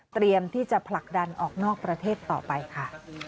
ที่จะผลักดันออกนอกประเทศต่อไปค่ะ